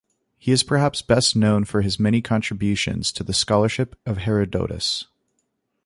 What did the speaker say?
He is perhaps best known for his many contributions to the scholarship of Herodotus.